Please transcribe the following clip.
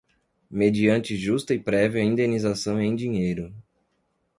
mediante justa e prévia indenização em dinheiro